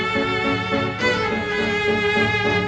gimana kita akan menikmati rena